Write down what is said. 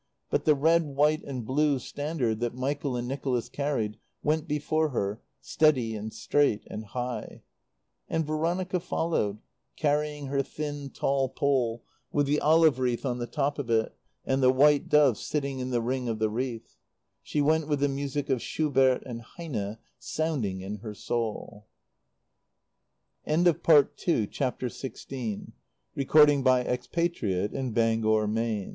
But the red, white and blue standard that Michael and Nicholas carried went before her, steady and straight and high. And Veronica followed, carrying her thin, tall pole with the olive wreath on the top of it, and the white dove sitting in the ring of the wreath. She went with the music of Schumann and Heine sounding in her soul. XVII Another year passed. Frances was afraid for Michael now.